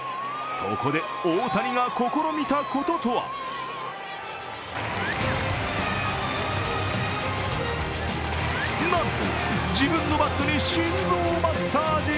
そこで、大谷が試みたこととはなんと、自分のバットに心臓マッサージ。